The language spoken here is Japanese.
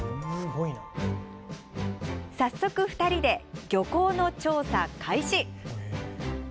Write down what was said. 早速２人で漁港の調査開始！